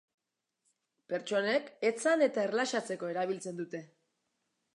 Pertsonek etzan eta erlaxatzeko erabiltzen dute.